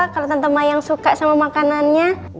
kalau tante mayang suka sama makanannya